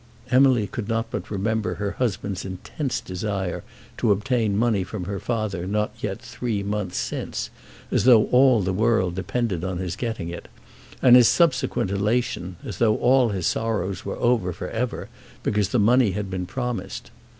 Emily could not but remember her husband's intense desire to obtain money from her father not yet three months since, as though all the world depended on his getting it, and his subsequent elation, as though all his sorrows were over for ever, because the money had been promised.